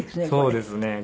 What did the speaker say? そうですね。